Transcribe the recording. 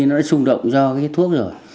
nó đã xung động do cái thuốc rồi